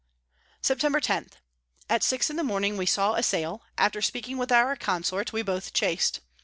Robert Frye, Sept. 10. At six in the Morning we saw a Sail; after speaking with our Consort, we both chas'd.